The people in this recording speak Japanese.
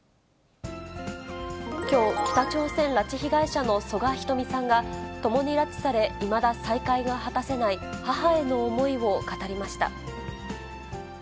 きょう、北朝鮮拉致被害者の曽我ひとみさんが、ともに拉致され、いまだ再会が果たせない母への思いを語りました。